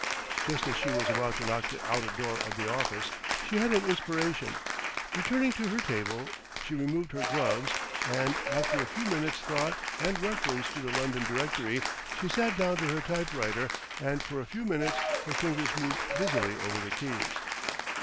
Just as she was about to lock the outer door of the office, she had an inspiration. Returning to her table she removed her gloves and, after a few minutes' thought and reference to the London Directory, she sat down to her typewriter and for a few minutes her fingers moved busily over the keys.